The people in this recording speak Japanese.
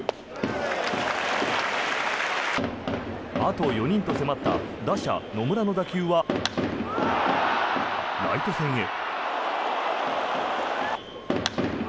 あと４人と迫った打者、野村の打球はライト線へ。